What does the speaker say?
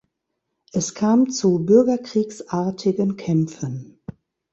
Es kam zu bürgerkriegsartigen Kämpfen.